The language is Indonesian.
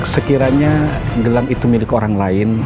sekiranya gelang itu milik orang lain